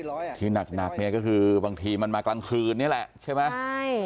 ก็ว่ากี่ร้อยอ่ะที่หนักเนี่ยก็คือบางทีมันมากลางคืนนี่แหละใช่ไหม